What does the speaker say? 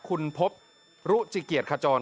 คุณพบรุจิเกียรติขจร